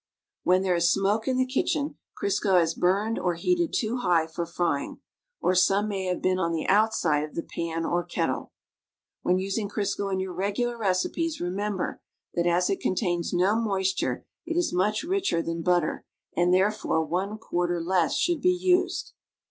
When there is smoke in the kitchen, Crisco has burned or heated ton higli for frying. Or some may have been on the oaisidc of the pan or keHte. When using Crisco in your regular recipes remember that as it contains no moislure it is nuieh richer ihan butter nnd, therefore, ,':( less should be used.